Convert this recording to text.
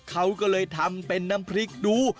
เขาก็เลยทำเป็นน้ำพริกดู